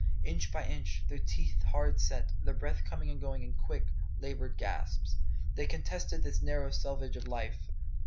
Inch by inch, their teeth hard set, their breath coming and going in quick, laboured gasps, they contested this narrow selvage of life.